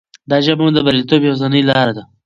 دا ژبه مو د بریالیتوب یوازینۍ لاره ده.